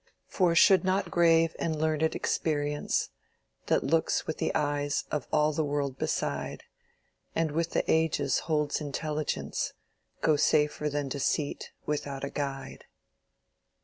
For should not grave and learn'd Experience That looks with the eyes of all the world beside, And with all ages holds intelligence, Go safer than Deceit without a guide!